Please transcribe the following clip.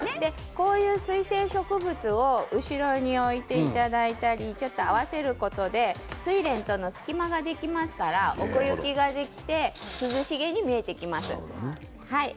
こういう水生植物を後ろに置いていただいたり合わせることでスイレンとの隙間ができますから奥行きができて涼しげに見えます。